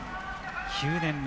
９年目。